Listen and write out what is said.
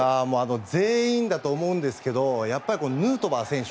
全員だと思うんですけどやっぱりヌートバー選手。